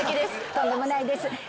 とんでもないです。